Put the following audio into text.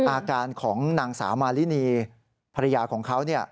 อาการของนางสาวมารินีภรรยาของเขา